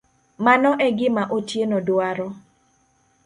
Mano e gima Otieno dwaro.